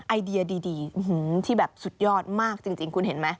ไอเดียดีที่แบบสุดยอดมากจริงคุณเห็นไหม